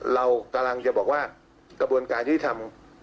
เรากำลังจะบอกว่ากระบวนการยุติธรรม